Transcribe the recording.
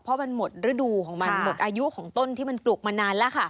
เพราะมันหมดฤดูของมันหมดอายุของต้นที่มันปลูกมานานแล้วค่ะ